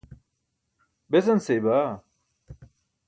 Besan seybaa?